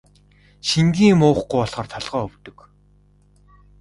Шингэн юм уухгүй болохоор толгой өвдөг.